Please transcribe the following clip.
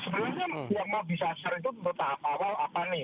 sebenarnya yang mau disasar itu untuk tahap awal apa nih